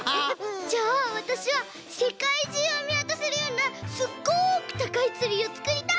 じゃあわたしはせかいじゅうをみわたせるようなすっごくたかいツリーをつくりたい！